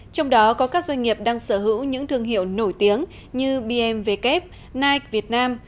trong đó có các doanh nghiệp đang sở hữu những thương hiệu nổi tiếng như bmw night việt nam